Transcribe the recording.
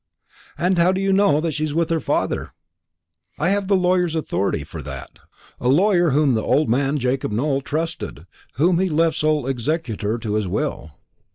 "And how do you know that she is with her father?" "I have the lawyer's authority for that; a lawyer whom the old man, Jacob Nowell, trusted, whom he left sole executor to his will."